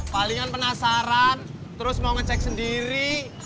palingan penasaran terus mau ngecek sendiri